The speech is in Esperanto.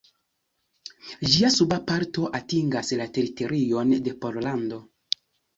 Ĝia suba parto atingas la teritorion de Pollando.